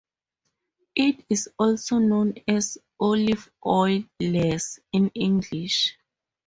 It is also known as "olive oil lees" in English.